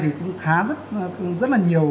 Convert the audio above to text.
thì cũng khá rất là nhiều